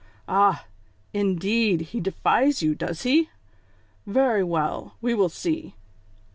"Ah ! Indeed, he defies you, does he V Very well, we will see.